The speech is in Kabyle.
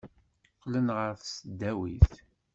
Qqlen ɣer tesdawit.